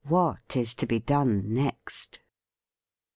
WHAT IS TO BE DONE NEXT?